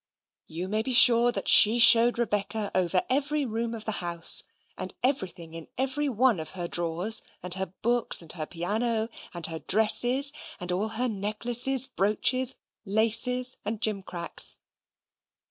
You may be sure that she showed Rebecca over every room of the house, and everything in every one of her drawers; and her books, and her piano, and her dresses, and all her necklaces, brooches, laces, and gimcracks.